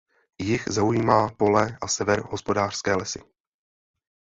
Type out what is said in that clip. Jih zaujímají pole a sever hospodářské lesy.